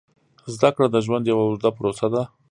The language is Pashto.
زده کړه د ژوند یوه اوږده پروسه ده.